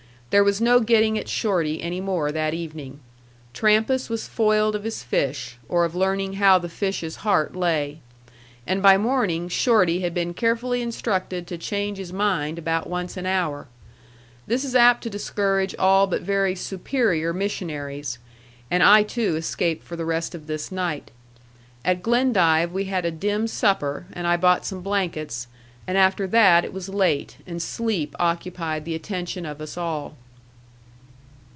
There was no getting at Shorty any more that evening. Trampas was foiled of his fish, or of learning how the fish's heart lay. And by morning Shorty had been carefully instructed to change his mind about once an hour. This is apt to discourage all but very superior missionaries. And I too escaped for the rest of this night. At Glendive we had a dim supper, and I bought some blankets; and after that it was late, and sleep occupied the attention of us all.